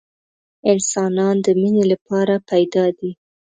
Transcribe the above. انسانان د مینې لپاره پیدا دي